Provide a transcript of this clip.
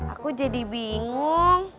aku jadi bingung